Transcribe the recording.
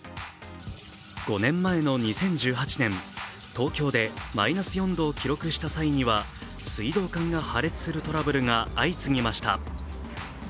５年前の２０１８年、東京でマイナス４度を記録した際には水道管が破裂するトラブルが相次ぎました。